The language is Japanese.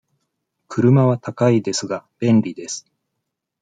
車は高いですが、便利です。